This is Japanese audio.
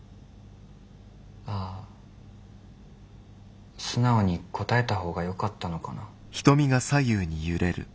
あ素直に答えた方がよかったのかな。